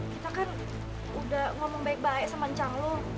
kita kan udah ngomong baik baik sama cang lo